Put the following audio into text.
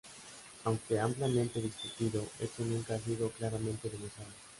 Aunque ampliamente discutido, esto nunca ha sido claramente demostrado.